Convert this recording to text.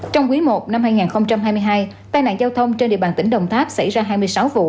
trong quý i năm hai nghìn hai mươi hai tai nạn giao thông trên địa bàn tỉnh đồng tháp xảy ra hai mươi sáu vụ